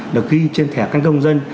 được ghi trên thẻ căn công dân